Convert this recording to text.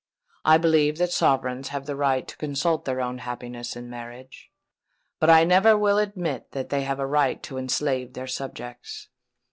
I believe that sovereigns have a right to consult their own happiness in marriage; but I never will admit that they have a right to enslave their subjects.